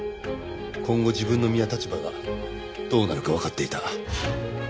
今後自分の身や立場がどうなるかわかっていた。